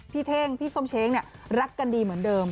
พี่เท่งพี่ส้มเชงเนี่ยรักกันดีเหมือนเดิม